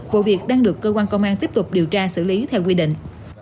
vụ việc đang được cơ quan công an tiếp tục điều tra xử lý theo quy định